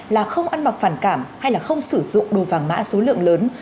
là không ăn mặc phản cảm hay không sử dụng đồ vàng mã số lượng lớn